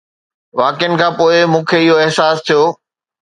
واقعن کان پوءِ مون کي اهو احساس ٿيو